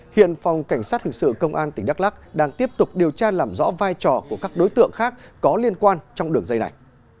hiện phòng cảnh sát hình sự công an tỉnh đắk lắc đang tiếp tục điều tra làm rõ vai trò của các đối tượng khác có liên quan trong đường dây này